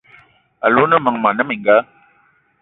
Alou o ne meng mona mininga?